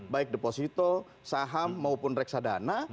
baik deposito saham maupun reksadana